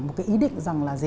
một cái ý định rằng là gì